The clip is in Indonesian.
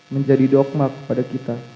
menjadi dogma kepada kita